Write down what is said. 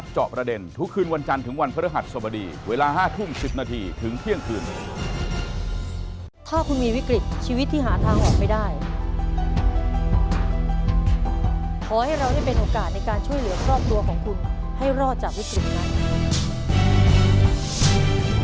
เราได้เป็นโอกาสในการช่วยเหลือครอบครัวของคุณให้รอดจากวิกฤตนั้น